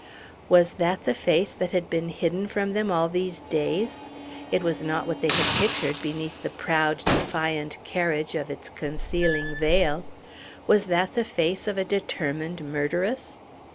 Was that the face that had been hidden from them all these days? It was not what they had pictured beneath the proud, defiant carriage of its concealing veil. Was that the face of a determined murderess?